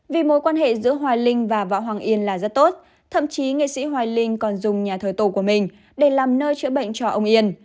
vì mối quan hệ giữa hoài linh và võ hoàng yên là rất tốt thậm chí nghệ sĩ hoài linh còn dùng nhà thờ tổ của mình để làm nơi chữa bệnh cho ông yên